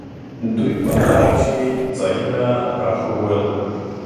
دوى په لاره کښې ځايونه راښوول.